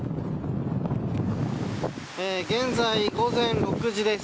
現在、午前６時です。